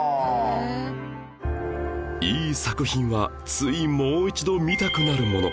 いい作品はついもう一度見たくなるもの